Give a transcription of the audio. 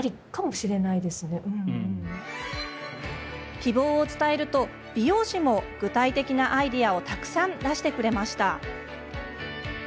希望を伝えると美容師も具体的なアイデアをたくさん出してくれました。